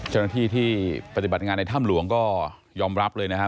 เจ้าหน้าที่ที่ปฏิบัติงานในถ้ำหลวงก็ยอมรับเลยนะครับ